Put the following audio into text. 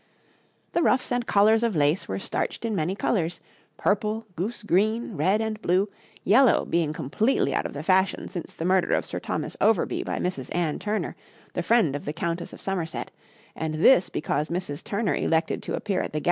The ruffs and collars of lace were starched in many colours purple, goose green, red and blue, yellow being completely out of the fashion since the murder of Sir Thomas Overbury by Mrs. Anne Turner, the friend of the Countess of Somerset; and this because Mrs. Turner elected to appear at the gallows in a yellow ruff.